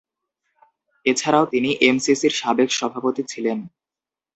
এছাড়াও তিনি এমসিসির সাবেক সভাপতি ছিলেন।